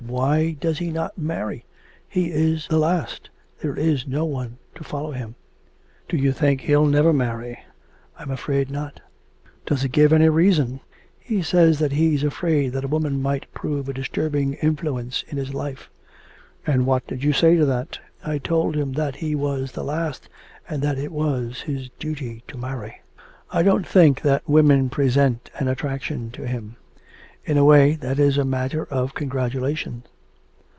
Why does he not marry? ... he is the last; there is no one to follow him.' 'Do you think he'll never marry?' 'I'm afraid not.' 'Does he give any reason?' 'He says that he's afraid that a woman might prove a disturbing influence in his life.' 'And what did you say to that?' 'I told him that he was the last, and that it was his duty to marry.' 'I don't think that women present any attraction to him. In a way that is a matter of congratulation.'